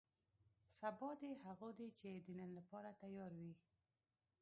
سبا دې هغو دی چې د نن لپاره تیار وي.